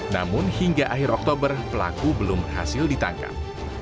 namun hingga akhir oktober pelaku belum berhasil ditangkap